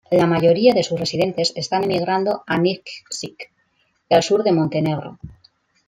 La mayoría de sus residentes están emigrando a Nikšić y al sur de Montenegro.